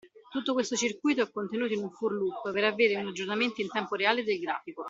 Tutto questo circuito è contenuto in un For Loop per avere un aggiornamento in tempo reale del grafico.